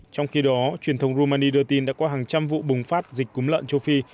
trong khi đó truyền thông rumani đưa tin đã có hàng trăm vụ bùng phát dịch cúng lợn châu phi